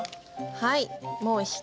はい。